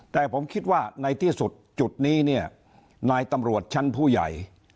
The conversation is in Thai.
แต่ผมคิดว่าในที่สุดจุดนี้เนี่ยนายตำรวจชั้นผู้ใหญ่